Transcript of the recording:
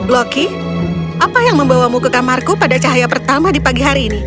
loki apa yang membawamu ke kamarku pada cahaya pertama di pagi hari ini